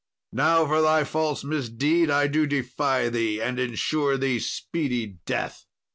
Now, for thy false misdeed, I do defy thee, and ensure thee speedy death."